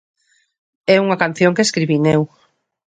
É unha canción que escribín eu.